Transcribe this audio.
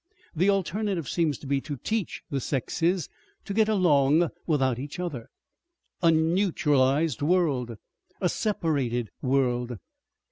"The alternative seems to be to teach the sexes to get along without each other." "A neutralized world. A separated world.